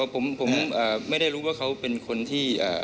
ผมไม่ได้รู้ว่าเขาเป็นคนที่